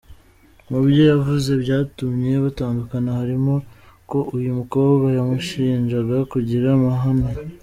Mu byo yavuze byatumye batandukana harimo ko ‘uyu mukobwa yamushinjaga kugira amahane’.